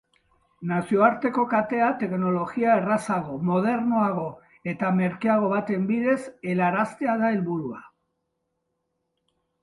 Nazioarteko katea teknologia errazago, modernoago eta merkeago baten bidez helaraztea da helburua.